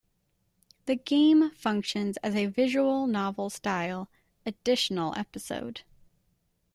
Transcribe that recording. The game functions as a visual novel-style "additional episode".